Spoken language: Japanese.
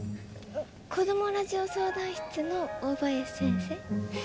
子どもラジオ相談室の大林先生？